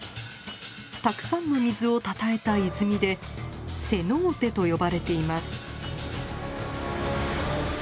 たくさんの水をたたえた泉でセノーテと呼ばれています。